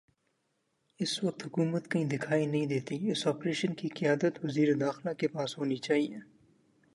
اس وقت حکومت کہیں دکھائی نہیں دیتی اس آپریشن کی قیادت وزیر داخلہ کے پاس ہونی چاہیے۔